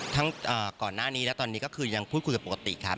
ก่อนหน้านี้และตอนนี้ก็คือยังพูดคุยกันปกติครับ